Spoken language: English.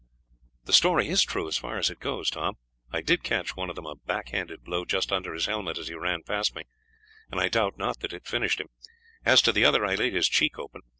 "The story is true as far as it goes, Tom. I did catch one of them a back handed blow just under his helmet as he ran past me, and I doubt not that it finished him; as to the other, I laid his cheek open.